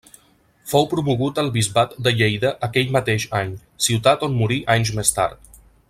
Fou promogut al bisbat de Lleida aquell mateix any, ciutat on morí anys més tard.